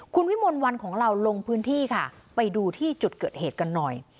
คุณวิมลวันของเราลงพื้นที่ค่ะไปดูที่จุดเกิดเหตุกันหน่อย